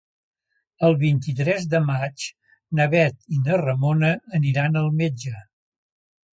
El vint-i-tres de maig na Bet i na Ramona aniran al metge.